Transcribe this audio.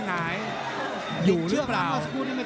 ง่ายนซ่อนหรือหรือ